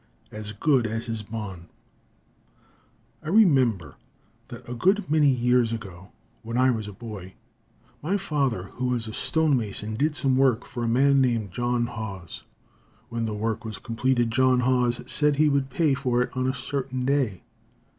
_ AS GOOD AS HIS BOND I remember that a good many years ago, when I was a boy, my father, who was a stone mason, did some work for a man named John Haws. When the work was completed, John Haws said he would pay for it on a certain day.